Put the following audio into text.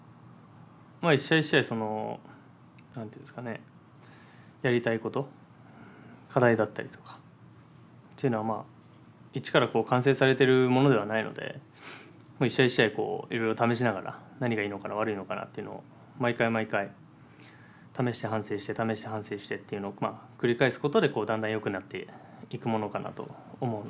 一試合一試合やりたいこと課題だったりとかっていうのは一から完成されているものではないので一試合一試合いろいろ試しながら何がいいのかな悪いのかなっていうのを毎回毎回試して反省して試して反省してっていうのを繰り返すことでだんだんよくなっていくものかなと思うので。